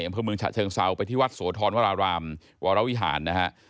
ของเมืองฉะเชิงเซาไปที่วัดโสทรวรารามวรวิหารนะครับ